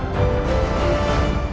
xin chào tạm biệt